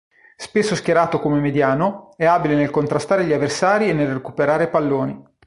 Spesso schierato come mediano, è abile nel contrastare gli avversari e nel recuperare palloni.